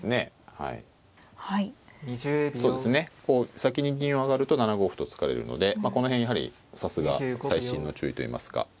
こう先に銀を上がると７五歩と突かれるのでまあこの辺やはりさすが細心の注意といいますか。